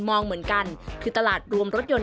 มองเหมือนกันคือตลาดรวมรถยนต์